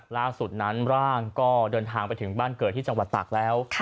ล่าสุดนั้นร่างก็เดินทางไปถึงบ้านเกิดที่จังหวัดตากแล้ว